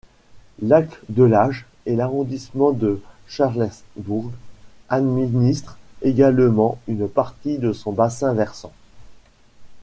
Lac-Delage et l'arrondissement de Charlesbourg administre également une partie de son bassin versant.